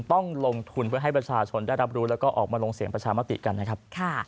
ต้องลงทุนเพื่อให้ประชาชนได้รับรู้แล้วก็ออกมาลงเสียงประชามติกันนะครับ